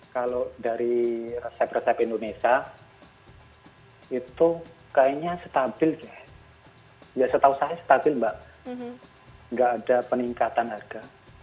kalau dari resep resep indonesia itu kayaknya stabil ya setahu saya stabil mbak nggak ada peningkatan harga